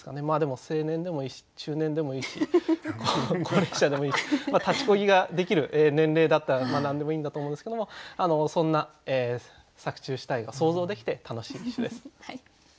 まあでも青年でもいいし中年でもいいし高齢者でもいいしまあ立ち漕ぎができる年齢だったら何でもいいんだと思うんですけどもそんな作中主体が想像できて楽しい一首です。